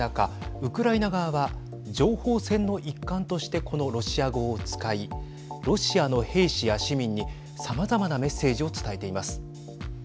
ウクライナ側は情報戦の一環としてこのロシア語を使いロシアの兵士や市民にさまざまなメッセージを伝えています。